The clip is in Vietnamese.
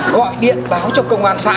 gọi điện báo cho công an xã